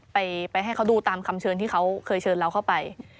ไปให้เขาดูตามคำเชิญที่เขาเคยเชิญเราเข้าไป